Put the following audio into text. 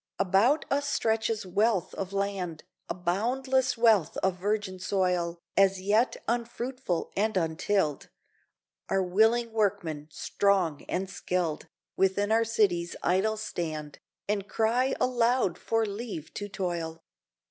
About us stretches wealth of land, A boundless wealth of virgin soil As yet unfruitful and untilled! Our willing workmen, strong and skilled Within our cities idle stand, And cry aloud for leave to toil.